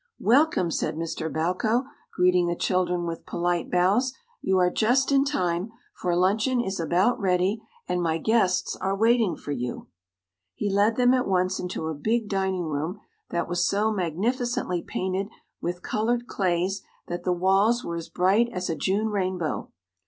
"Welcome!" said Mr. Bowko, greeting the children with polite bows. "You are just in time, for luncheon is about ready and my guests are waiting for you." He led them at once into a big dining room that was so magnificently painted with colored clays that the walls were as bright as a June rainbow.